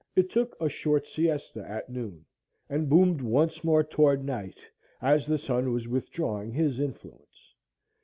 It took a short siesta at noon, and boomed once more toward night, as the sun was withdrawing his influence.